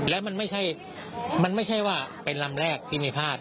และมันไม่ใช่ว่าเป็นลำแรกที่มีพาด